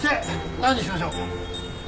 何にしましょう？